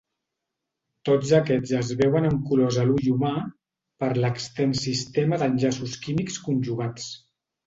Tots aquests es veuen amb colors a l'ull humà per l'extens sistema d'enllaços químics conjugats.